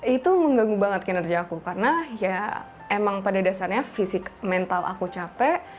itu mengganggu banget kinerja aku karena ya emang pada dasarnya fisik mental aku capek